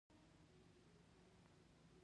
د قانون لپاره څه شی اړین دی؟